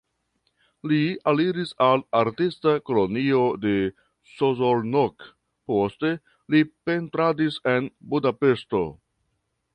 Li aliĝis al artista kolonio de Szolnok, poste li pentradis en Budapeŝto.